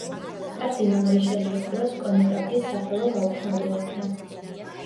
კარდინალ რიშელიეს დროს კონეტაბლის სახელო გაუქმებულ იქნა.